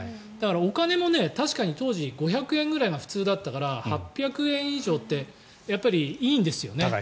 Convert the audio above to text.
お金も確かに当時５００円ぐらいが普通だったから８００円以上ってやっぱりいいんですよね。